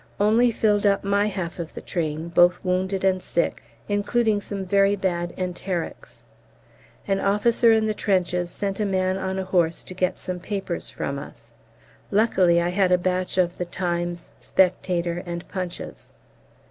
Only filled up my half of the train, both wounded and sick, including some very bad enterics. An officer in the trenches sent a man on a horse to get some papers from us. Luckily I had a batch of 'The Times,' 'Spectator,' and 'Punches.'